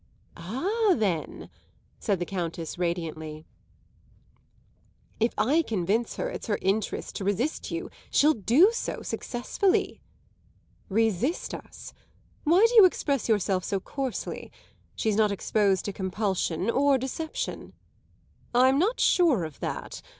"Ah then," said the Countess radiantly, "if I convince her it's her interest to resist you she'll do so successfully!" "Resist us? Why do you express yourself so coarsely? She's not exposed to compulsion or deception." "I'm not sure of that.